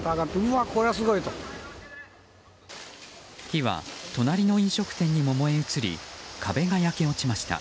火は隣の飲食店にも燃え移り壁が焼け落ちました。